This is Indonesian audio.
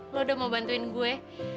lo udah mau bantuin gue